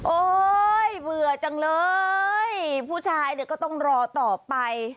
โอ้ยเบื่อจังเลยพู่ชายก็ต้องรอต่อไป